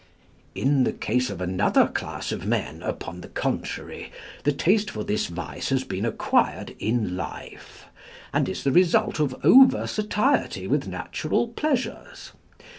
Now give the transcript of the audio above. " "In the case of another class of men, upon the contrary, the taste for this vice has been acquired in life, and is the result of over satiety with natural pleasures.